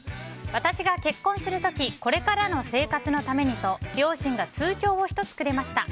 私が結婚する時これからの生活のためにと両親が通帳を１つくれました。